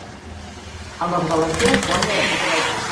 Amb els valencians guanya la Copa del Rei.